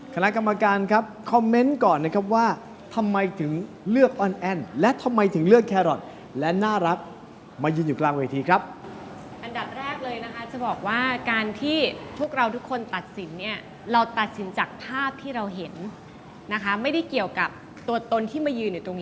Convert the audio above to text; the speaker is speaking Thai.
คราวนานกรรมการคอมเมนต์ก่อนนะครับว่า